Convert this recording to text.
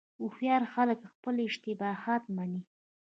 هوښیار خلک خپل اشتباهات مني.